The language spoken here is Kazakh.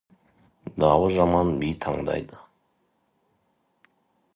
Дауы жаман би таңдайды.